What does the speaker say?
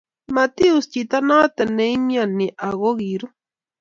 mati us chito noto ne imyoni aku kiruu